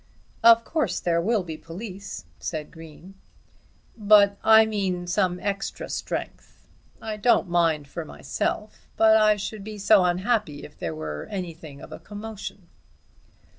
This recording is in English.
"Of course there will be police," said Green. "But I mean some extra strength. I don't mind for myself, but I should be so unhappy if there were anything of a commotion."